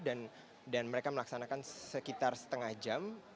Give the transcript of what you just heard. dan mereka melaksanakan sekitar setengah jam